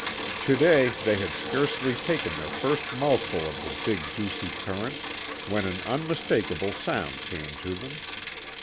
To day they had scarcely taken their first mouthful of the big juicy currants when an unmistakable sound came to them.